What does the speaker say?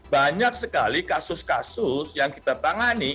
banyak sekali kasus kasus yang kita tangani